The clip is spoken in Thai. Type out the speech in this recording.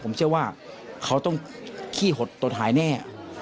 ผมเชื่อว่าเขาต้องขี้หดตัวท้ายแน่